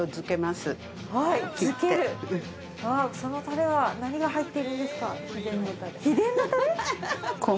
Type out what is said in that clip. そのたれは何が入っているんですか？